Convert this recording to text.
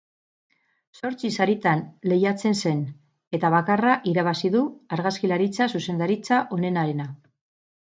Zortzi saritan lehiatzen zen, eta bakarra irabazi du, argazkilaritza zuzendaritza onenarena.